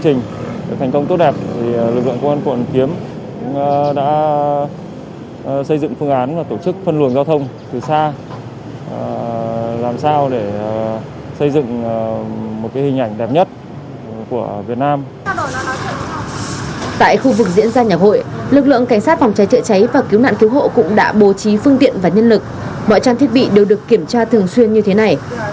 tại khu vực diễn ra nhà hội lực lượng cảnh sát phòng cháy trợ cháy và cứu nạn cứu hộ cũng đã bố trí phương tiện và nhân lực mọi trang thiết bị đều được kiểm tra thường xuyên như thế này